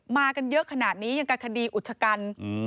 มากันเยอะขนาดนี้ยังกับคดีอุชกัน